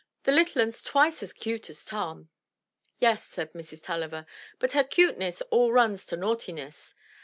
The little un*s twice as cute as Tom.'' "Yes," said Mrs. Tulliver, "but her cuteness all runs to naughtiness.